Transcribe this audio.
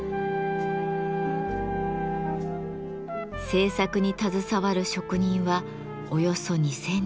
制作に携わる職人はおよそ２，０００人。